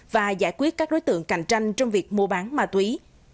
và giải quyết các đối tượng cạnh tranh trong việc mua bán ma túy